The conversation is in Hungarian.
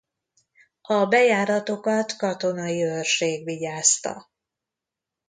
A bejáratokat katonai őrség vigyázta.